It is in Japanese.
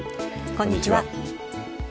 こんにちは。